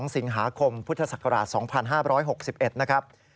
๒สิงหาคมพุทธศักราช๒๕๖๑นะครับ